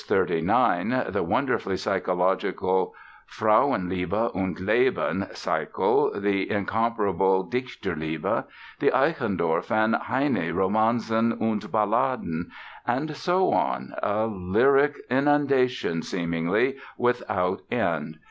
39, the wonderfully psychological "Frauenliebe und Leben" cycle, the incomparable "Dichterliebe", the Eichendorff and Heine "Romanzen und Balladen", and so on—a lyric inundation, seemingly without end.